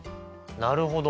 なるほど！